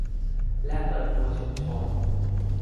และเปิดตัวชุมชน